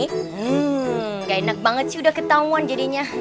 hmm gak enak banget sih sudah ketauan jadinya